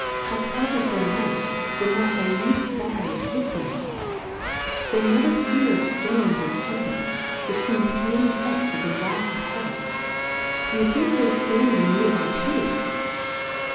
How pleafant their Nights, when not the leaft Star is hid from them ? They never hear of Storms or Tempefts, which feem plain Effefts of the Wrath of Heaven. D'ye think then they ftand in need of our Pitty